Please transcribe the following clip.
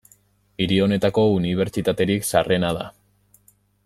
Hiri honetako unibertsitaterik zaharrena da.